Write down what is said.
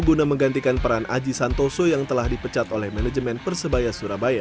guna menggantikan peran aji santoso yang telah dipecat oleh manajemen persebaya surabaya